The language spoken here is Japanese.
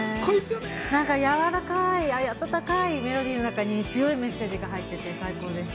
なんかやわらかい暖かいメロディーの中に強いメッセージが入っていて最高です。